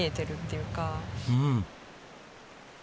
うん。